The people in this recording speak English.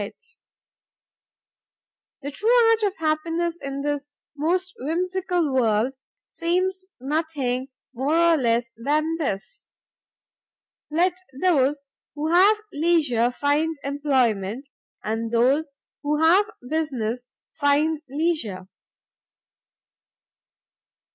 The true art of happiness in this most whimsical world, seems nothing more nor less than this Let those who have leisure, find employment, and those who have business, find leisure."